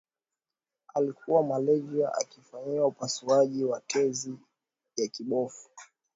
alikuwa malaysia akifanyiwa upasuaji wa tezi ya kibofu